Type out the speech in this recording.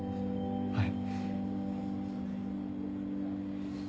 はい。